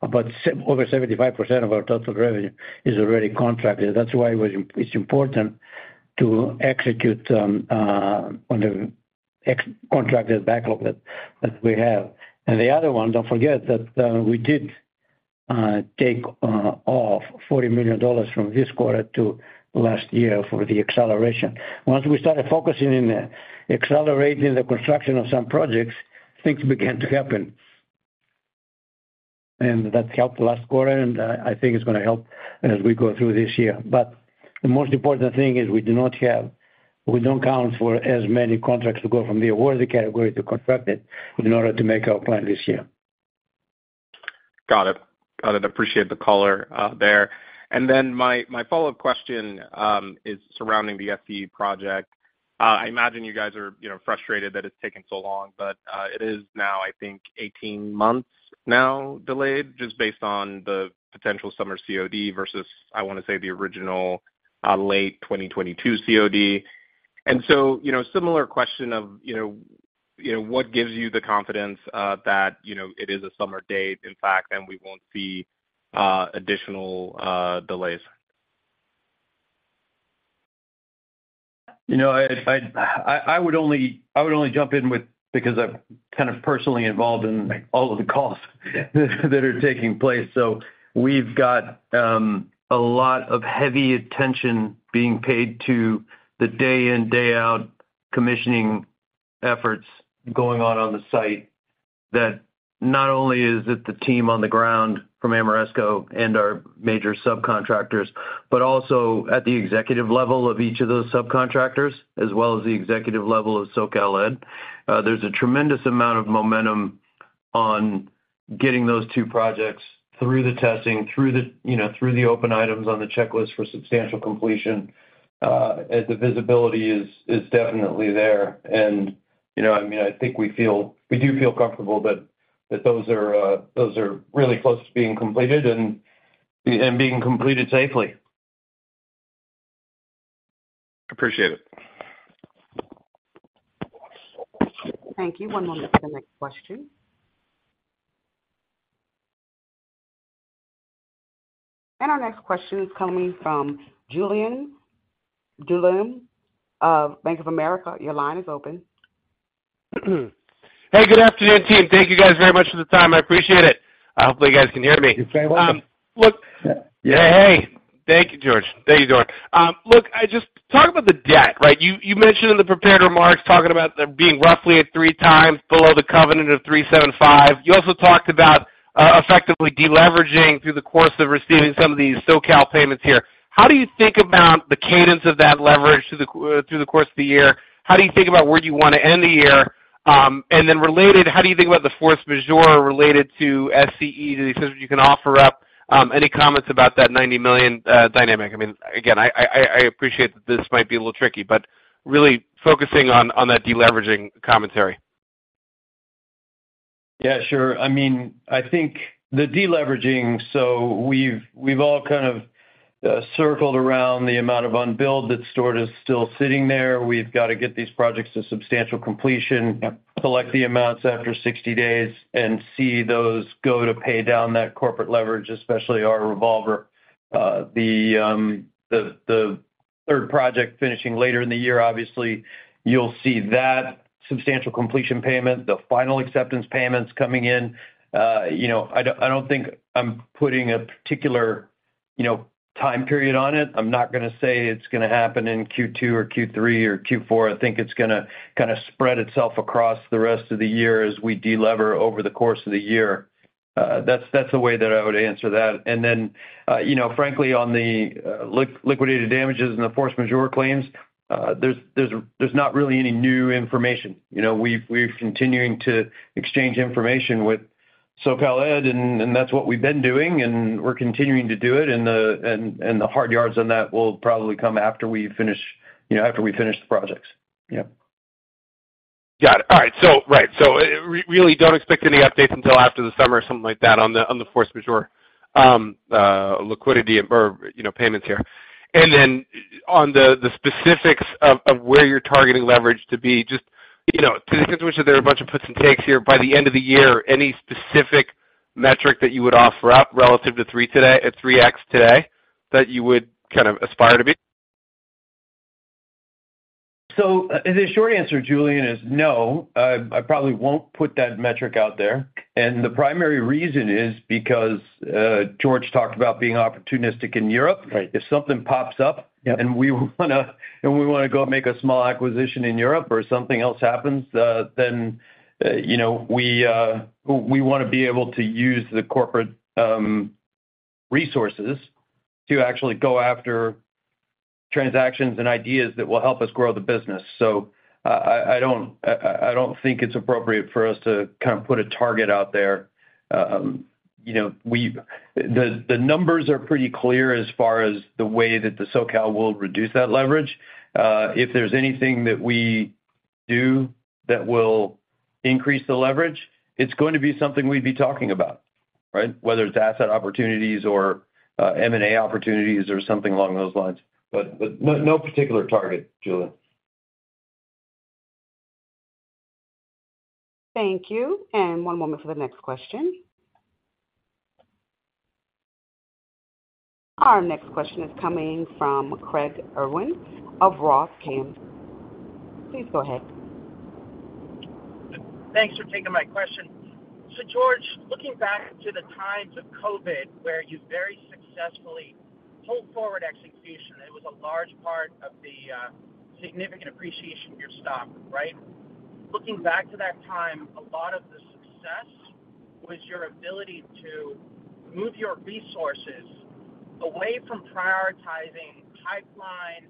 [SPEAKER 3] from the awarded to the contracted category. And this year, over 75% of our total revenue is already contracted. That's why it's important to execute on the contracted backlog that we have. And the other one, don't forget that we did take off $40 million from this quarter to last year for the acceleration. Once we started focusing on accelerating the construction of some projects, things began to happen. And that helped last quarter, and I think it's going to help as we go through this year. But the most important thing is we don't count for as many contracts to go from the awarded category to contracted in order to make our plan this year.
[SPEAKER 11] Got it. Got it. Appreciate the caller there. And then my follow-up question is surrounding the SCE project. I imagine you guys are frustrated that it's taken so long, but it is now, I think, 18 months now delayed just based on the potential summer COD versus, I want to say, the original late 2022 COD. And so similar question of what gives you the confidence that it is a summer date, in fact, and we won't see additional delays?
[SPEAKER 4] I would only jump in because I'm kind of personally involved in all of the calls that are taking place. So we've got a lot of heavy attention being paid to the day-in, day-out commissioning efforts going on on the site that not only is it the team on the ground from Ameresco and our major subcontractors, but also at the executive level of each of those subcontractors, as well as the executive level of SoCalEd, there's a tremendous amount of momentum on getting those two projects through the testing, through the open items on the checklist for substantial completion. The visibility is definitely there. I mean, I think we do feel comfortable that those are really close to being completed and being completed safely.
[SPEAKER 11] Appreciate it.
[SPEAKER 1] Thank you. One moment for the next question. Our next question is coming from Julien Dumoulin-Smith of Bank of America. Your line is open.
[SPEAKER 12] Hey, good afternoon, team. Thank you guys very much for the time. I appreciate it. Hopefully, you guys can hear me.
[SPEAKER 4] You're very welcome.
[SPEAKER 12] Look. Yeah. Hey. Thank you, George. Thank you, Doran. Look, just talk about the debt, right? You mentioned in the prepared remarks talking about being roughly at three times below the covenant of 375. You also talked about effectively deleveraging through the course of receiving some of these SoCal payments here. How do you think about the cadence of that leverage through the course of the year? How do you think about where you want to end the year? And then related, how do you think about the force majeure related to SCE, the extent that you can offer up? Any comments about that $90 million dynamic? I mean, again, I appreciate that this might be a little tricky, but really focusing on that deleveraging commentary.
[SPEAKER 4] Yeah, sure. I mean, I think the deleveraging so we've all kind of circled around the amount of unbuild that's sort of still sitting there. We've got to get these projects to substantial completion, collect the amounts after 60 days, and see those go to pay down that corporate leverage, especially our revolver. The third project finishing later in the year, obviously, you'll see that substantial completion payment, the final acceptance payments coming in. I don't think I'm putting a particular time period on it. I'm not going to say it's going to happen in Q2 or Q3 or Q4. I think it's going to kind of spread itself across the rest of the year as we delever over the course of the year. That's the way that I would answer that. And then, frankly, on the liquidated damages and the force majeure claims, there's not really any new information. We're continuing to exchange information with SoCalEd, and that's what we've been doing, and we're continuing to do it. The hard yards on that will probably come after we finish the projects. Yeah.
[SPEAKER 12] Got it. All right. So right. So really, don't expect any updates until after the summer or something like that on the force majeure liquidity or payments here. And then on the specifics of where you're targeting leverage to be, just to the extent to which there are a bunch of puts and takes here, by the end of the year, any specific metric that you would offer up relative to 3x today that you would kind of aspire to be?
[SPEAKER 4] So the short answer, Julien, is no. I probably won't put that metric out there. The primary reason is because George talked about being opportunistic in Europe. If something pops up and we want to go make a small acquisition in Europe or something else happens, then we want to be able to use the corporate resources to actually go after transactions and ideas that will help us grow the business. So I don't think it's appropriate for us to kind of put a target out there. The numbers are pretty clear as far as the way that the SoCal will reduce that leverage. If there's anything that we do that will increase the leverage, it's going to be something we'd be talking about, right? Whether it's asset opportunities or M&A opportunities or something along those lines. But no particular target, Julien.
[SPEAKER 1] Thank you. One moment for the next question. Our next question is coming from Craig Irwin of ROTH MKM. Please go ahead.
[SPEAKER 13] Thanks for taking my question. So, George, looking back to the times of COVID where you very successfully pulled forward execution, it was a large part of the significant appreciation of your stock, right? Looking back to that time, a lot of the success was your ability to move your resources away from prioritizing pipeline,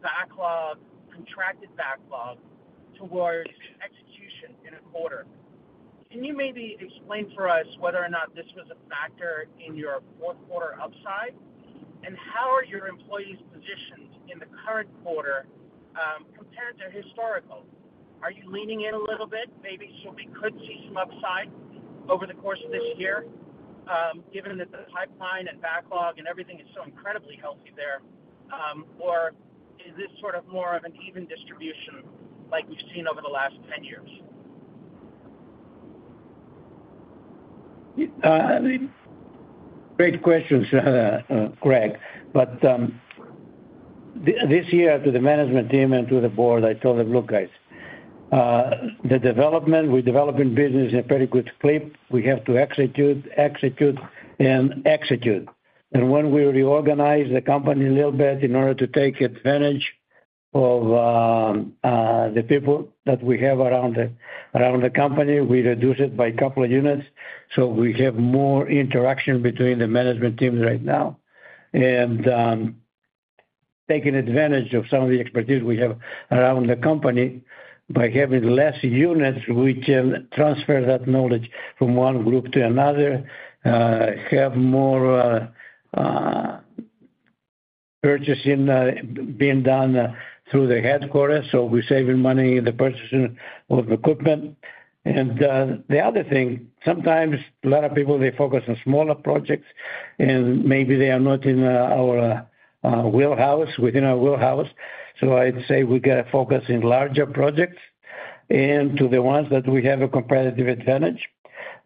[SPEAKER 13] backlog, contracted backlog towards execution in a quarter. Can you maybe explain for us whether or not this was a factor in your fourth-quarter upside? And how are your employees positioned in the current quarter compared to historical? Are you leaning in a little bit, maybe so we could see some upside over the course of this year, given that the pipeline and backlog and everything is so incredibly healthy there? Or is this sort of more of an even distribution like we've seen over the last 10 years?
[SPEAKER 3] Great question, Craig. But this year, to the management team and to the board, I told them, "Look, guys. We're developing business in a pretty good slip. We have to execute and execute. And when we reorganize the company a little bit in order to take advantage of the people that we have around the company, we reduce it by a couple of units so we have more interaction between the management teams right now. And taking advantage of some of the expertise we have around the company by having less units, we can transfer that knowledge from one group to another, have more purchasing being done through the headquarters. So we're saving money in the purchasing of equipment. And the other thing, sometimes a lot of people, they focus on smaller projects, and maybe they are not in our wheelhouse, within our wheelhouse." I'd say we got to focus in larger projects and to the ones that we have a competitive advantage.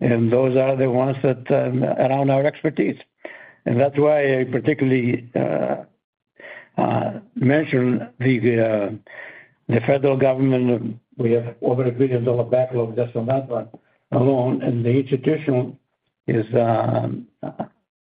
[SPEAKER 3] Those are the ones that are around our expertise. That's why I particularly mentioned the federal government. We have over a $1 billion backlog just on that one alone. The institutional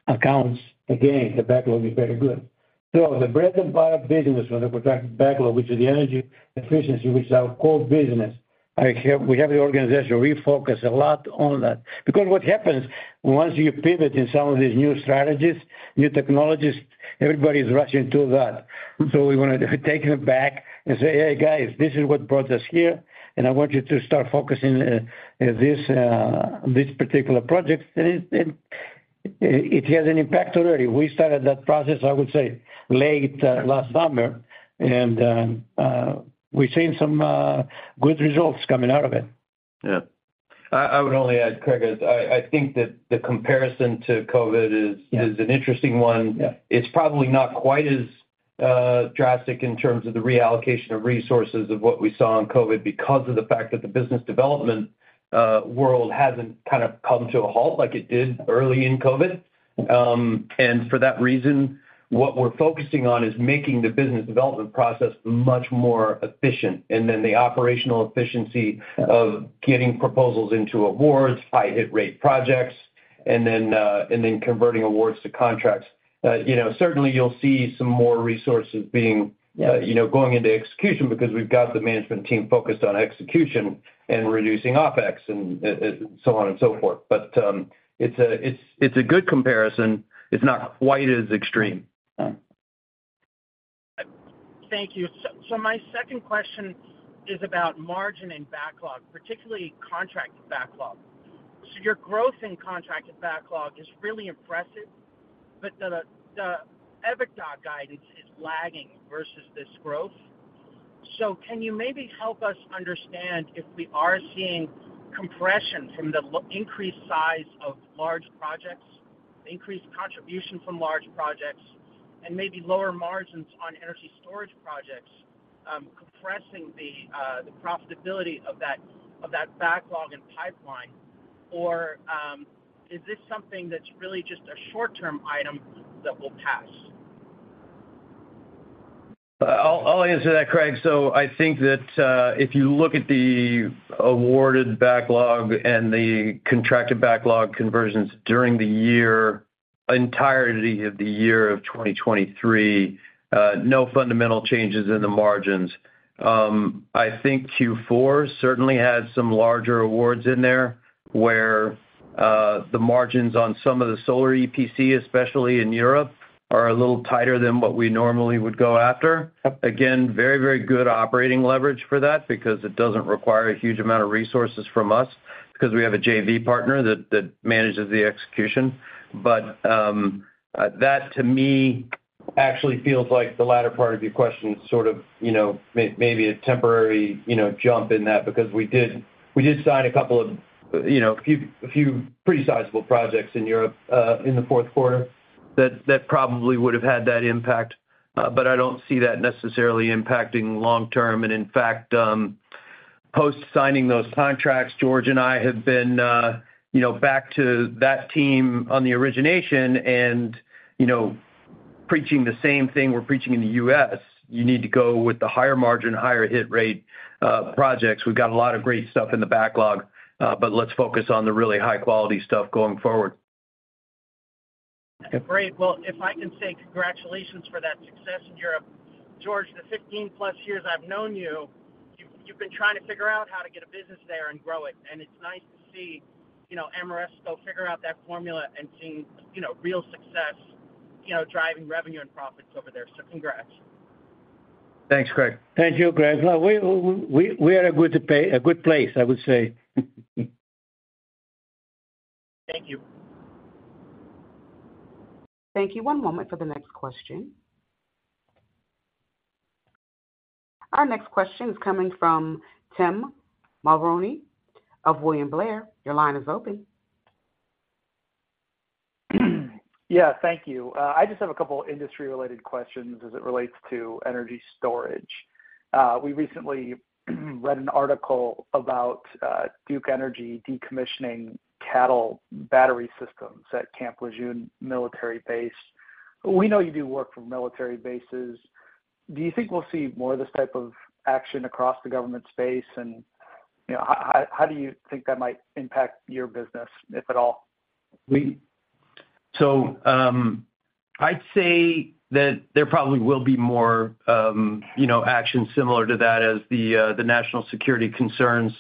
[SPEAKER 3] accounts, again, the backlog is very good. The breadth and broad business with the contracted backlog, which is the energy efficiency, which is our core business, we have the organization refocus a lot on that. Because what happens once you pivot in some of these new strategies, new technologies, everybody's rushing to that. We want to take them back and say, "Hey, guys, this is what brought us here, and I want you to start focusing on this particular project." It has an impact already. We started that process, I would say, late last summer, and we're seeing some good results coming out of it.
[SPEAKER 4] Yeah. I would only add, Craig, I think that the comparison to COVID is an interesting one. It's probably not quite as drastic in terms of the reallocation of resources of what we saw in COVID because of the fact that the business development world hasn't kind of come to a halt like it did early in COVID. And for that reason, what we're focusing on is making the business development process much more efficient and then the operational efficiency of getting proposals into awards, high-hit rate projects, and then converting awards to contracts. Certainly, you'll see some more resources going into execution because we've got the management team focused on execution and reducing OpEx and so on and so forth. But it's a good comparison. It's not quite as extreme.
[SPEAKER 13] Thank you. So my second question is about margin and backlog, particularly contracted backlog. So your growth in contracted backlog is really impressive, but the EBITDA guidance is lagging versus this growth. So can you maybe help us understand if we are seeing compression from the increased size of large projects, increased contribution from large projects, and maybe lower margins on energy storage projects compressing the profitability of that backlog and pipeline? Or is this something that's really just a short-term item that will pass?
[SPEAKER 4] I'll answer that, Craig. So I think that if you look at the awarded backlog and the contracted backlog conversions during the entirety of the year of 2023, no fundamental changes in the margins. I think Q4 certainly had some larger awards in there where the margins on some of the solar EPC, especially in Europe, are a little tighter than what we normally would go after. Again, very, very good operating leverage for that because it doesn't require a huge amount of resources from us because we have a JV partner that manages the execution. But that, to me, actually feels like the latter part of your question is sort of maybe a temporary jump in that because we did sign a couple of a few pretty sizable projects in Europe in the fourth quarter that probably would have had that impact. But I don't see that necessarily impacting long-term. In fact, post-signing those contracts, George and I have been back to that team on the origination and preaching the same thing we're preaching in the U.S. You need to go with the higher margin, higher hit rate projects. We've got a lot of great stuff in the backlog, but let's focus on the really high-quality stuff going forward.
[SPEAKER 13] Great. Well, if I can say congratulations for that success in Europe. George, the 15+ years I've known you, you've been trying to figure out how to get a business there and grow it. It's nice to see Ameresco figure out that formula and seeing real success driving revenue and profits over there. So congrats.
[SPEAKER 4] Thanks, Craig.
[SPEAKER 3] Thank you, Craig. We are a good place, I would say.
[SPEAKER 13] Thank you.
[SPEAKER 1] Thank you. One moment for the next question. Our next question is coming from Tim Mulrooney of William Blair. Your line is open.
[SPEAKER 14] Yeah. Thank you. I just have a couple of industry-related questions as it relates to energy storage. We recently read an article about Duke Energy decommissioning CATL battery systems at Camp Lejeune military base. We know you do work for military bases. Do you think we'll see more of this type of action across the government space? And how do you think that might impact your business, if at all?
[SPEAKER 4] So I'd say that there probably will be more action similar to that as the national security concerns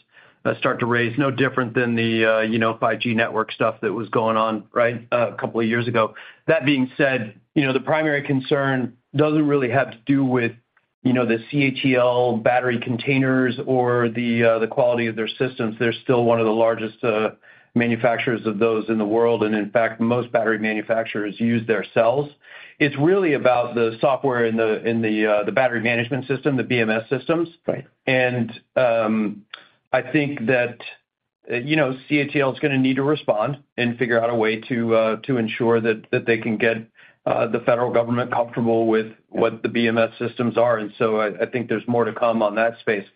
[SPEAKER 4] start to raise, no different than the 5G network stuff that was going on, right, a couple of years ago. That being said, the primary concern doesn't really have to do with the CATL battery containers or the quality of their systems. They're still one of the largest manufacturers of those in the world. And in fact, most battery manufacturers use their cells. It's really about the software in the battery management system, the BMS systems. And I think that CATL is going to need to respond and figure out a way to ensure that they can get the federal government comfortable with what the BMS systems are. And so I think there's more to come on that space.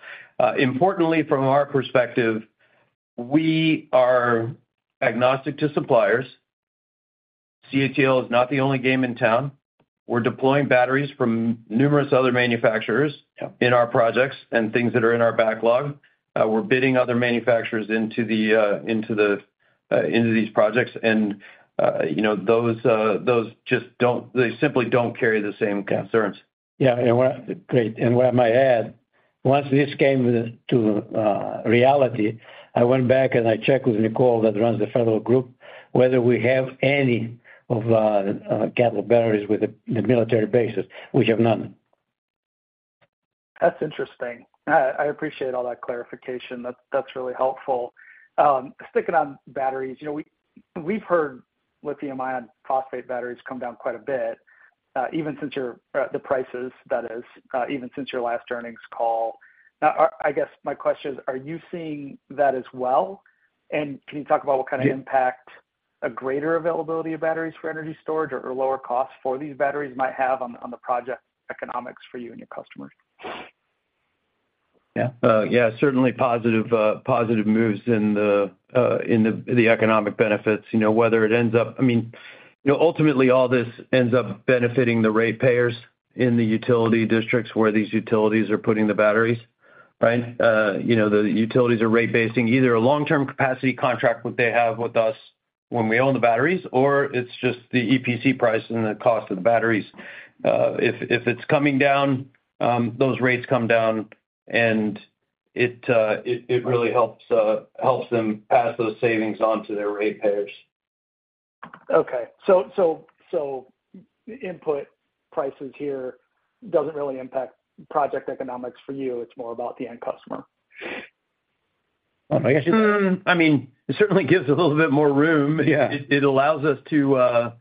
[SPEAKER 4] Importantly, from our perspective, we are agnostic to suppliers. CATL is not the only game in town. We're deploying batteries from numerous other manufacturers in our projects and things that are in our backlog. We're bidding other manufacturers into these projects. And those simply don't carry the same concerns.
[SPEAKER 3] Yeah. Great. And what I might add, once this came to reality, I went back and I checked with Nicole that runs the federal group whether we have any CATL batteries with the military bases. We have none.
[SPEAKER 14] That's interesting. I appreciate all that clarification. That's really helpful. Sticking on batteries, we've heard lithium iron phosphate batteries come down quite a bit, even since the prices, that is, even since your last earnings call. I guess my question is, are you seeing that as well? And can you talk about what kind of impact a greater availability of batteries for energy storage or lower costs for these batteries might have on the project economics for you and your customers?
[SPEAKER 4] Yeah. Yeah. Certainly positive moves in the economic benefits, whether it ends up—I mean, ultimately, all this ends up benefiting the ratepayers in the utility districts where these utilities are putting the batteries, right? The utilities are rate-basing either a long-term capacity contract that they have with us when we own the batteries, or it's just the EPC price and the cost of the batteries. If it's coming down, those rates come down, and it really helps them pass those savings on to their ratepayers.
[SPEAKER 14] Okay. So input prices here doesn't really impact project economics for you. It's more about the end customer.
[SPEAKER 4] I guess you could I mean, it certainly gives a little bit more room. It allows us to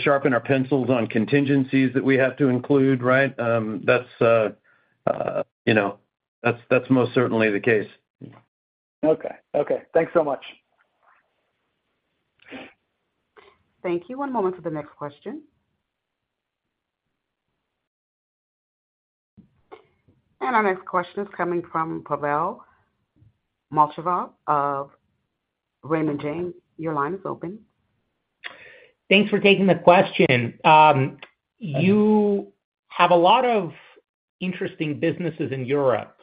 [SPEAKER 4] sharpen our pencils on contingencies that we have to include, right? That's most certainly the case.
[SPEAKER 14] Okay. Okay. Thanks so much.
[SPEAKER 1] Thank you. One moment for the next question. Our next question is coming from Pavel Molchanov of Raymond James. Your line is open.
[SPEAKER 15] Thanks for taking the question. You have a lot of interesting businesses in Europe.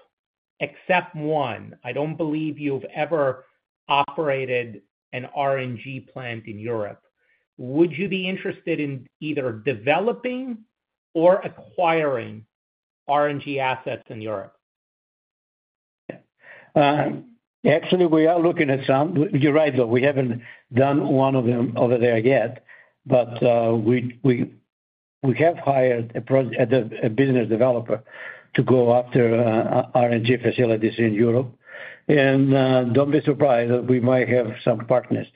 [SPEAKER 15] Except one, I don't believe you've ever operated an RNG plant in Europe. Would you be interested in either developing or acquiring RNG assets in Europe?
[SPEAKER 3] Yeah. Actually, we are looking at some. You're right, though. We haven't done one of them over there yet. But we have hired a business developer to go after RNG facilities in Europe. And don't be surprised that we might have some partners.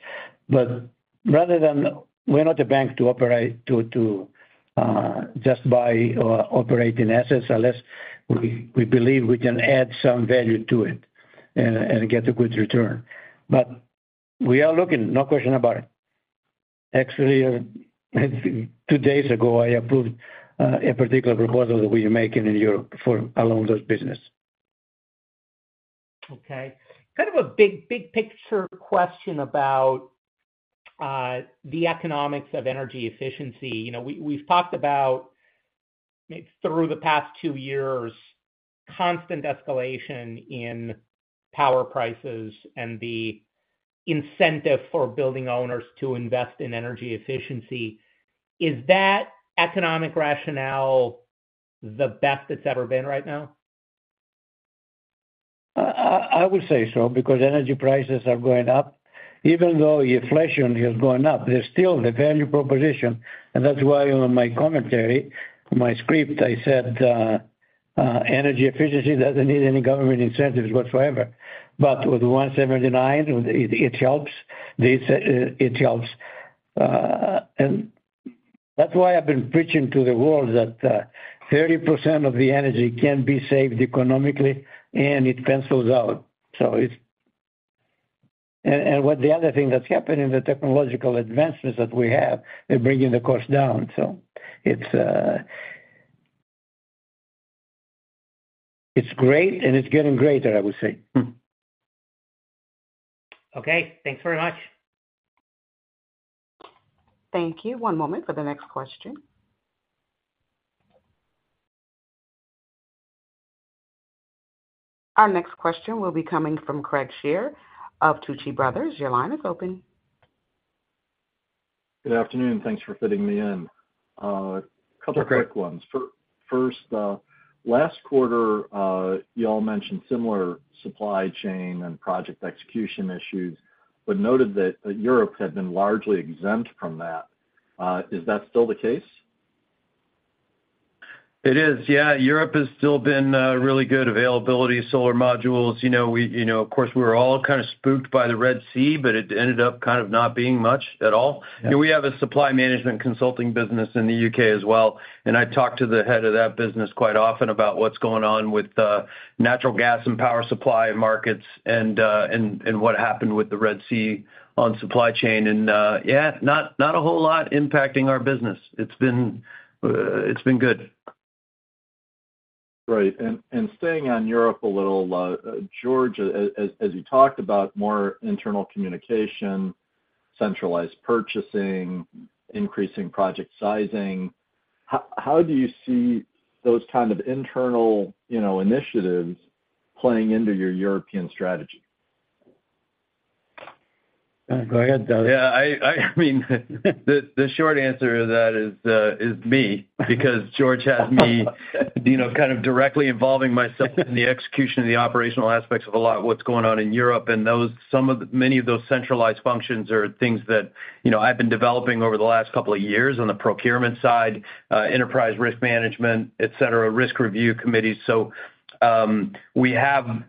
[SPEAKER 3] But rather than we're not a bank to operate to just buy or operate in assets unless we believe we can add some value to it and get a good return. But we are looking, no question about it. Actually, two days ago, I approved a particular proposal that we are making in Europe along those businesses.
[SPEAKER 15] Okay. Kind of a big picture question about the economics of energy efficiency. We've talked about, through the past two years, constant escalation in power prices and the incentive for building owners to invest in energy efficiency. Is that economic rationale the best it's ever been right now?
[SPEAKER 3] I would say so because energy prices are going up. Even though inflation is going up, there's still the value proposition. That's why in my commentary, my script, I said energy efficiency doesn't need any government incentives whatsoever. But with 179, it helps. It helps. That's why I've been preaching to the world that 30% of the energy can be saved economically, and it pencils out. The other thing that's happening, the technological advancements that we have, they're bringing the cost down. So it's great, and it's getting greater, I would say.
[SPEAKER 15] Okay. Thanks very much.
[SPEAKER 1] Thank you. One moment for the next question. Our next question will be coming from Craig Shere of Tuohy Brothers. Your line is open.
[SPEAKER 16] Good afternoon. Thanks for fitting me in. A couple of quick ones. First, last quarter, y'all mentioned similar supply chain and project execution issues, but noted that Europe had been largely exempt from that. Is that still the case?
[SPEAKER 4] It is. Yeah. Europe has still been really good availability solar modules. Of course, we were all kind of spooked by the Red Sea, but it ended up kind of not being much at all. We have a supply management consulting business in the U.K. as well. And I talk to the head of that business quite often about what's going on with natural gas and power supply markets and what happened with the Red Sea on supply chain. And yeah, not a whole lot impacting our business. It's been good.
[SPEAKER 16] Right. Staying on Europe a little, George, as you talked about more internal communication, centralized purchasing, increasing project sizing, how do you see those kind of internal initiatives playing into your European strategy?
[SPEAKER 3] Go ahead, Doran.
[SPEAKER 4] Yeah. I mean, the short answer to that is me because George has me kind of directly involving myself in the execution of the operational aspects of a lot of what's going on in Europe. And many of those centralized functions are things that I've been developing over the last couple of years on the procurement side, enterprise risk management, etc., risk review committees. So we have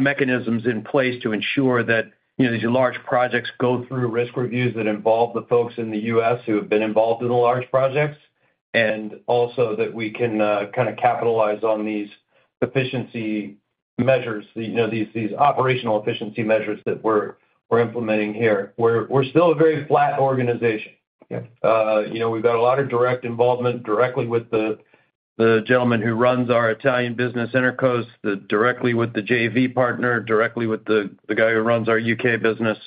[SPEAKER 4] mechanisms in place to ensure that these large projects go through risk reviews that involve the folks in the U.S. who have been involved in the large projects, and also that we can kind of capitalize on these efficiency measures, these operational efficiency measures that we're implementing here. We're still a very flat organization. We've got a lot of direct involvement directly with the gentleman who runs our Italian business, Enerqos, directly with the JV partner, directly with the guy who runs our U.K. business.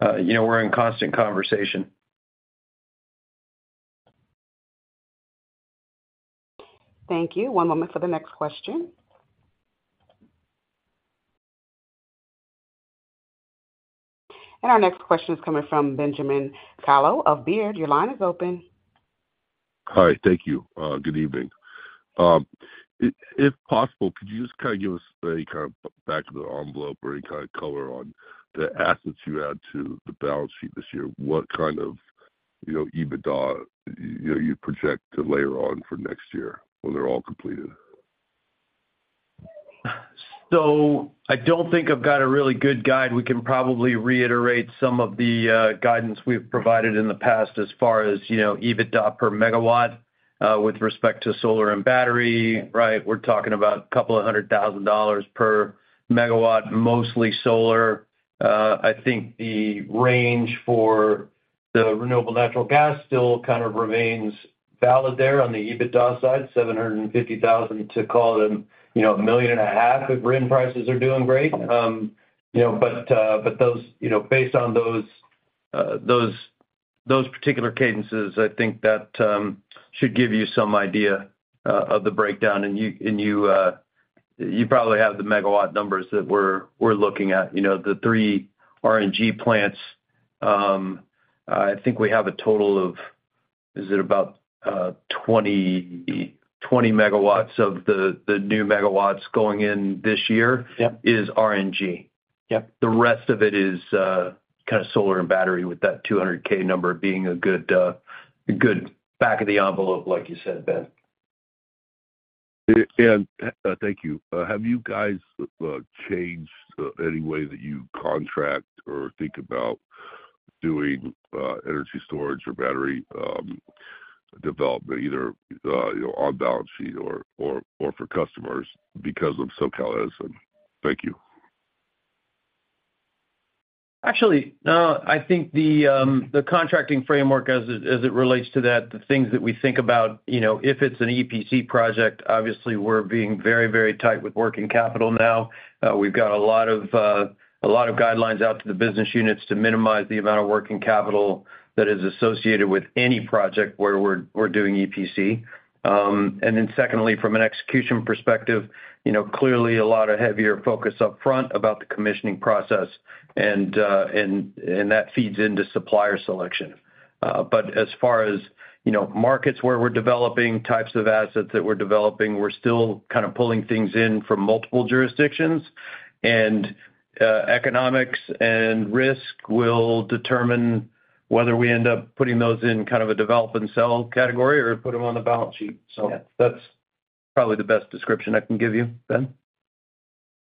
[SPEAKER 4] We're in constant conversation.
[SPEAKER 1] Thank you. One moment for the next question. Our next question is coming from Benjamin Kallo of Baird. Your line is open.
[SPEAKER 17] Hi. Thank you. Good evening. If possible, could you just kind of give us any kind of back of the envelope or any kind of color on the assets you add to the balance sheet this year? What kind of EBITDA you project to layer on for next year when they're all completed?
[SPEAKER 4] So I don't think I've got a really good guide. We can probably reiterate some of the guidance we've provided in the past as far as EBITDA per megawatt with respect to solar and battery, right? We're talking about $200,000 per megawatt, mostly solar. I think the range for the renewable natural gas still kind of remains valid there on the EBITDA side, $750,000-$1.5 million if RNG prices are doing great. But based on those particular cadences, I think that should give you some idea of the breakdown. And you probably have the megawatt numbers that we're looking at. The three RNG plants, I think we have a total of is it about 20 MW of the new megawatts going in this year is RNG. The rest of it is kind of solar and battery with that 200,000 number being a good back of the envelope, like you said, Ben.
[SPEAKER 17] Thank you. Have you guys changed any way that you contract or think about doing energy storage or battery development, either on balance sheet or for customers, because of SoCal Edison? Thank you.
[SPEAKER 4] Actually, no. I think the contracting framework, as it relates to that, the things that we think about, if it's an EPC project, obviously, we're being very, very tight with working capital now. We've got a lot of guidelines out to the business units to minimize the amount of working capital that is associated with any project where we're doing EPC. And then secondly, from an execution perspective, clearly, a lot of heavier focus upfront about the commissioning process. And that feeds into supplier selection. But as far as markets where we're developing, types of assets that we're developing, we're still kind of pulling things in from multiple jurisdictions. And economics and risk will determine whether we end up putting those in kind of a develop and sell category or put them on the balance sheet. So that's probably the best description I can give you, Ben.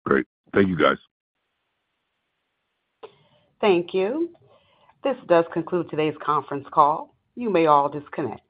[SPEAKER 17] Great. Thank you, guys.
[SPEAKER 1] Thank you. This does conclude today's conference call. You may all disconnect.